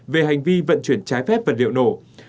về hành vi vận chuyển trái phép vật liệu nổ